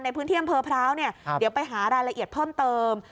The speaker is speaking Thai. ในพื้นที่อำเภอพร้าวเนี่ยเดี๋ยวไปหารายละเอียดเพิ่มเติม